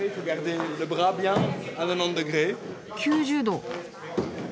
９０度。